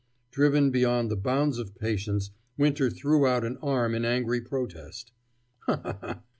Driven beyond the bounds of patience, Winter threw out an arm in angry protest. "Ha! ha! ha!"